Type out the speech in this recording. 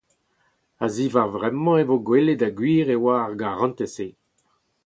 A-ziwar-vremañ e vo gwelet ha gwir e oa ar garantez-se.